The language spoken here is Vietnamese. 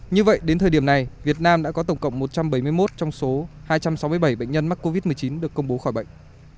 như vậy đến thời điểm này việt nam đã có tổng cộng một trăm bảy mươi một trong số hai trăm sáu mươi bảy bệnh nhân mắc covid một mươi chín được công bố khỏi bệnh